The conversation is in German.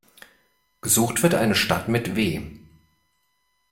Gesucht wird eine Stadt mit W.